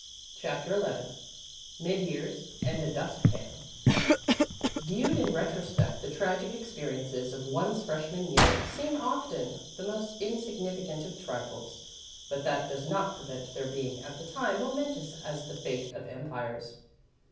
CHAPTER XI MID YEARS AND A DUST PAN Viewed in retrospect the tragic experiences of one's freshman year seem often the most insignificant of trifles; but that does not prevent their being at the time momentous as the fate of empires.